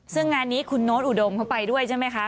ซึ่งงานนี้คุณโน้ตอุดมเขาไปด้วยใช่ไหมคะ